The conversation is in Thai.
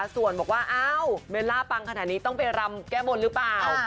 ส่วนบอกว่าอ้าวเบลล่าปังขนาดนี้ต้องไปรำแก้บนหรือเปล่า